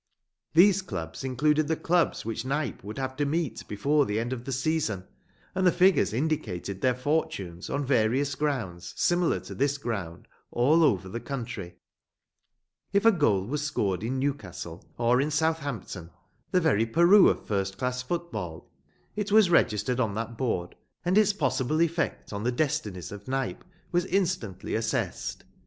These clubs included the clubs which Knype would have to meet before the end of the season, and the figures indicated their fortunes on various grounds similar to this ground all over the country. If a goal was scored in Newcastle, or in Southampton, the very Peru of first class football, it was registered on that board and its possible effect on the destinies of Knype was instantly assessed.